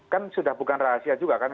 kan sudah bukan rahasia juga kan